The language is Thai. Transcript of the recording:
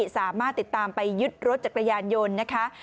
สามารถติดตามไปยึดรถจักรยานยนต์นะคะ